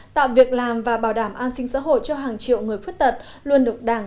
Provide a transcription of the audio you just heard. tạo việc làm và bảo đảm an sinh xã hội cho hàng triệu người khuyết tật luôn được đảng